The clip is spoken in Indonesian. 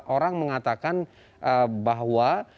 orang mengatakan bahwa